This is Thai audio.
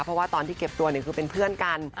เพราะว่าตอนที่เก็บตัวเนี่ยคือเป็นเพื่อนกัน